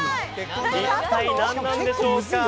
一体何なんでしょうか？